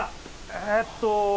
えーっと。